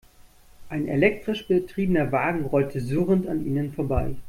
Ein elektrisch betriebener Wagen rollte surrend an ihnen vorbei.